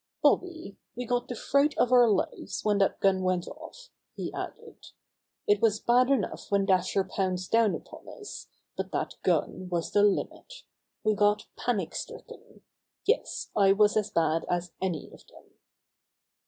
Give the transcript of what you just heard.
"Bobby, we got the fright of our lives when that gun went off," he added. "It was bad enough when Dasher pounced down upon us, but that gun was the limit. We got panic stricken — yes, I was as bad as any of them."